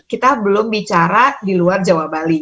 kita belum bicara di luar jawa bali